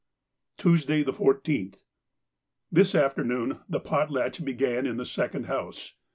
Tuesday, the 14th.—This afternoon the potlatch began in the second house.